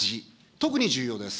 特に重要です。